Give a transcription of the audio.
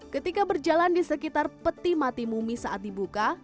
ketika berjalan di sekitar peti mati mumi saat dibuka